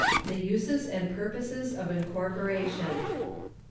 The Uses and Purposes of Incorporation.